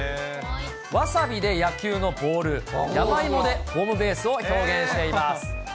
ワサビで野球のボール、山芋でホームベースを表現しています。